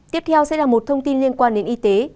tiếp theo sẽ là một thông tin liên quan đến y tế